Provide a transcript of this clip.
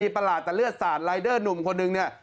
ประหลาดแต่เลือดสาดรายเดอร์หนุ่มคนนึงเนี่ย